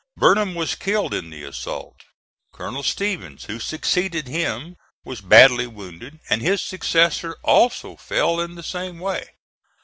Burnham was killed in the assault. Colonel Stevens who succeeded him was badly wounded; and his successor also fell in the same way.